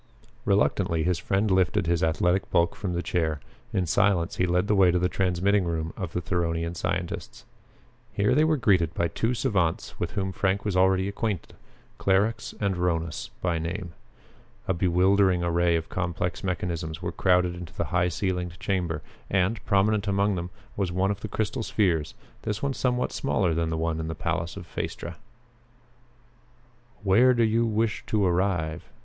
Reluctantly his friend lifted his athletic bulk from the chair. In silence he led the way to the transmitting room of the Theronian scientists. Here they were greeted by two savants with whom Frank was already acquainted, Clarux and Rhonus by name. A bewildering array of complex mechanisms was crowded into the high ceilinged chamber and, prominent among them, was one of the crystal spheres, this one of somewhat smaller size than the one in the palace of Phaestra. "Where do you wish to arrive?"